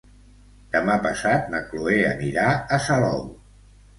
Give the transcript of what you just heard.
Demà passat na Chloé anirà a Salou.